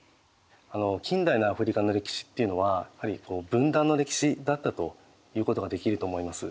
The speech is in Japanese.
近代のアフリカの歴史っていうのはやはり分断の歴史だったということができると思います。